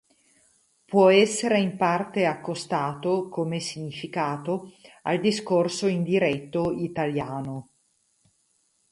Può essere in parte accostato, come significato, al discorso indiretto italiano.